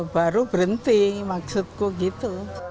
baru berhenti maksudku gitu